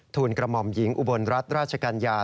ลกระหม่อมหญิงอุบลรัฐราชกัญญา